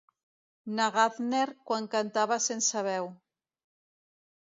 Na Gardner quan cantava sense veu.